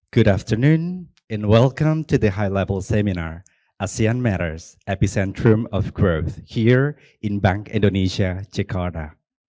selamat pagi dan selamat datang di seminar asian matters epicentrum of growth di bank indonesia cekora